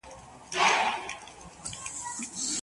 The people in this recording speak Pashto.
د معلوماتو د ترلاسه کولو امکانات باید موجود وي.